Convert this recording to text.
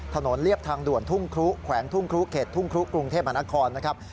เรียบทางด่วนทุ่งครุแขวงทุ่งครุเขตทุ่งครุกรุงเทพมหานครนะครับ